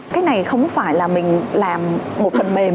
cái này không phải là mình làm một phần mềm